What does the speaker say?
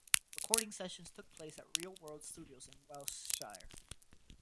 Recording sessions took place at Real World Studios in Wiltshire.